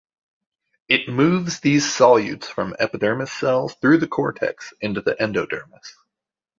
It moves these solutes from epidermis cells through the cortex into the endodermis.